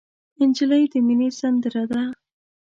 نجلۍ د مینې سندره ده.